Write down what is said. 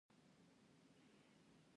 شانګله کښې د پښتو ژبې